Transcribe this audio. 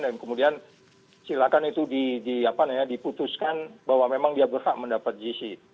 dan kemudian silakan itu diputuskan bahwa memang dia berhak mendapat gc